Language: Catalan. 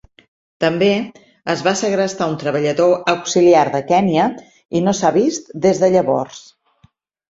També es va segrestar un treballador auxiliar de Kenya i no s'ha vist des de llavors.